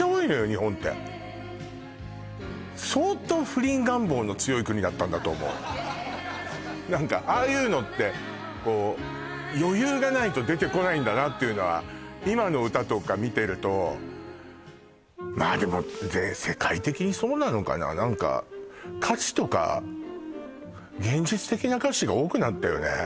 日本って相当不倫願望の強い国だったんだと思う何かああいうのって余裕がないと出てこないんだなっていうのは今の歌とか見てるとまあでも世界的にそうなのかな何か歌詞とか現実的な歌詞が多くなったよね